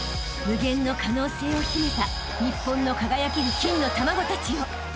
［無限の可能性を秘めた日本の輝ける金の卵たちよ］